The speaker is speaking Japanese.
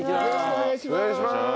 よろしくお願いします。